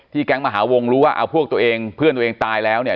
แก๊งมหาวงรู้ว่าเอาพวกตัวเองเพื่อนตัวเองตายแล้วเนี่ย